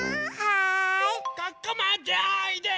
ここまでおいで！